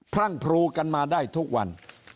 พรั่งพรูกันมาได้ทุกวัน